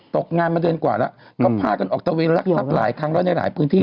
ตกงานมาเดือนกว่าแล้วก็พากันออกตะเวนรักทรัพย์หลายครั้งแล้วในหลายพื้นที่